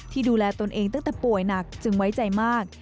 ดูแลตนเองตั้งแต่ป่วยหนักจึงไว้ใจมาก